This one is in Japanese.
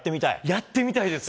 やってみたいです。